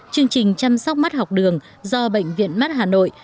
chương trình chăm sóc mắt học đường do bệnh viện mắt hà nội